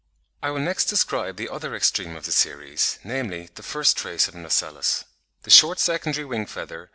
] I will next describe the other extreme of the series, namely, the first trace of an ocellus. The short secondary wing feather (Fig.